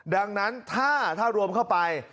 ดังนั้นถ้ารวมเข้าไป